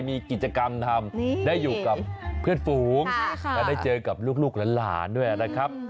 มีกิจกรรมทำได้อยู่กับเพื่อนฝูงและได้เจอกับลูกหลานด้วยนะครับ